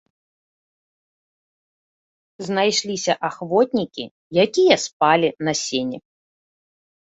Знайшліся ахвотнікі, якія спалі на сене.